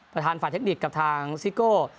ประธานฝ่ายเทคนิคกับทางซิโก้